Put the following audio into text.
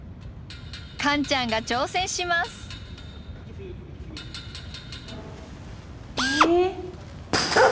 カンちゃんが挑戦します。え？